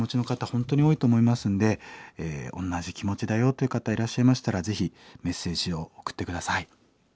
本当に多いと思いますんでおんなじ気持ちだよという方いらっしゃいましたらぜひメッセージを送って下さい。